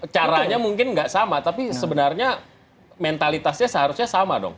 caranya mungkin nggak sama tapi sebenarnya mentalitasnya seharusnya sama dong